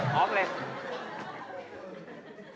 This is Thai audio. อ๋อเพราะเลย